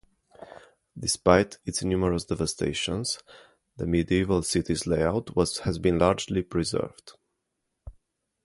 Despite its numerous devastations, the medieval city's layout has been largely preserved.